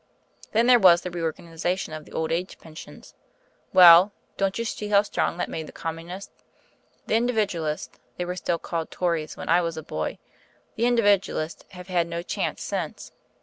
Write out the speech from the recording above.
Then there was the reorganisation of the Old Age Pensions. Well, don't you see how strong that made the Communists? The Individualists they were still called Tories when I was a boy the Individualists have had no chance since.